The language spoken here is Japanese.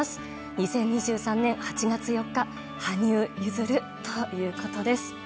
２０２３年８月４日羽生結弦ということです。